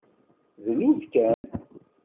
Dlut kan.